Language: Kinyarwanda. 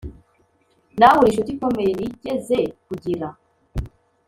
nawe uri inshuti ikomeye nigeze kugira.